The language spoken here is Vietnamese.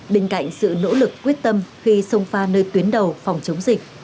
bên cạnh sự nỗ lực quyết tâm khi sông pha nơi tuyến đầu phòng chống dịch